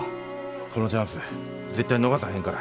このチャンス絶対逃さへんから。